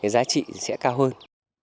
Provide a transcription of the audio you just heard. giá trị sẽ cao hơn